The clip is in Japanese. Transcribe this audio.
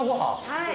はい。